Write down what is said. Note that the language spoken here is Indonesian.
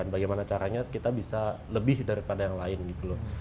bagaimana caranya kita bisa lebih daripada yang lain gitu loh